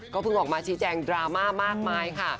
เพิ่งออกมาชี้แจงดราม่ามากมายค่ะ